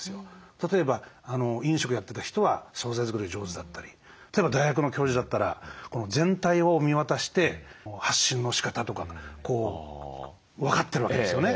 例えば飲食やってた人は総菜作りが上手だったり例えば大学の教授だったら全体を見渡して発信のしかたとか分かってるわけですよね。